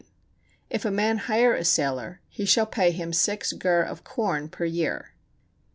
If a man hire a sailor, he shall pay him six gur of corn per year.